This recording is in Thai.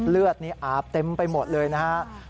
เลือดนี่อาบเต็มไปหมดเลยนะครับ